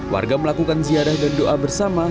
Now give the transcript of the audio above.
warga melakukan ziarah dan doa bersama